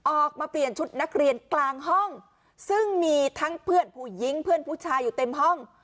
ออกมาเปลี่ยนชุดนักเรียนกลางห้องซึ่งมีทั้งเพื่อนผู้หญิงเพื่อนผู้ชายอยู่เต็มห้อง